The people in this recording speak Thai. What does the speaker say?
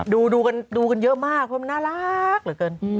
ดูกันเยอะมากน่ารักเหลือเกิน